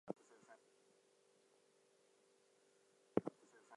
Though the name "Dell Magazines" is still used on some of its magazines.